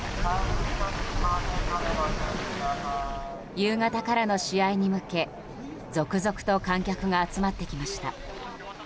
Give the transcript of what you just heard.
夕方からの試合に向け続々と観客が集まってきました。